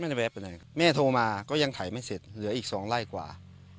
แวะไปเลยแม่โทรมาก็ยังถ่ายไม่เสร็จเหลืออีกสองไร่กว่า